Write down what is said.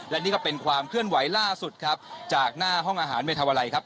และนี่ก็เป็นความเคลื่อนไหวล่าสุดครับจากหน้าห้องอาหารเมธาวาลัยครับ